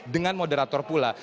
dengan moderator pula